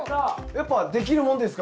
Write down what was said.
やっぱできるもんですか？